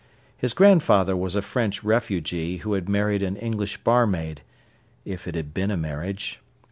His grandfather was a French refugee who had married an English barmaid—if it had been a marriage.